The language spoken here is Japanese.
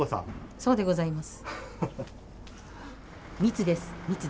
そうでございます。